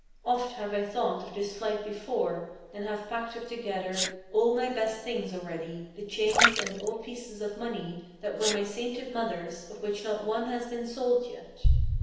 Oft have I thought of this flight before; and have packed up together All my best things already, the chains and old pieces of money That were my sainted mother's, of which not one has been sold yet.